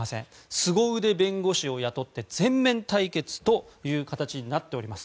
すご腕弁護士を雇って全面対決という形になっております。